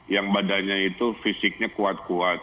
yang badannya itu fisiknya kuat kuat